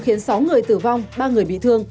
khiến sáu người tử vong ba người bị thương